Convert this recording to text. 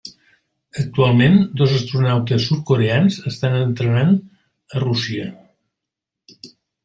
Actualment, dos astronautes sud-coreans estan entrenant a Rússia.